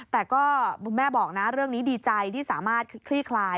แต่ก็คุณแม่บอกนะเรื่องนี้ดีใจที่สามารถคลี่คลาย